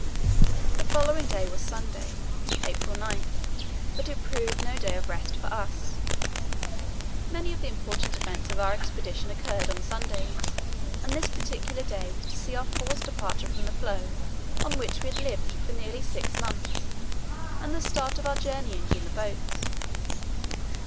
The following day was Sunday (April 9), but it proved no day of rest for us. Many of the important events of our Expedition occurred on Sundays, and this particular day was to see our forced departure from the floe on which we had lived for nearly six months, and the start of our journeyings in the boats.